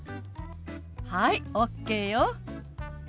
はいＯＫよ！